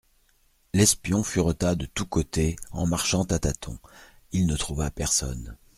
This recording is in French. L'espion fureta de tous côtés en marchant à tâtons ; il ne trouva personne.